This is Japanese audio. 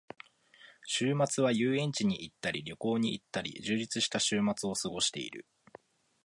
週末は遊園地に行ったり旅行に行ったり、充実した週末を過ごしている。